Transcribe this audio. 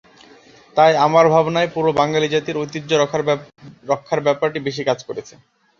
তাই আমার ভাবনায় পুরো বাঙালি জাতির ঐতিহ্য রক্ষার ব্যাপারটি বেশি কাজ করেছে।